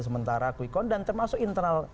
sementara quick count dan termasuk internal